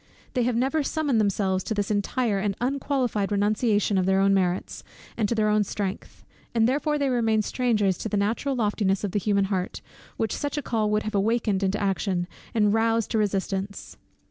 They have never summoned themselves to this entire and unqualified renunciation of their own merits, and their own strength; and therefore they remain strangers to the natural loftiness of the human heart, which such a call would have awakened into action, and roused to resistance.